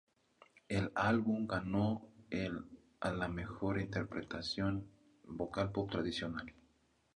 El álbum ganó el a la Mejor Interpretación Vocal Pop Tradicional.